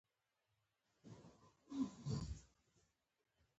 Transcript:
د آسونو د پښو دربا او د درنو توپونو غنجا راتله.